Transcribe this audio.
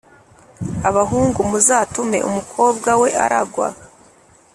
abahungu muzatume umukobwa we aragwa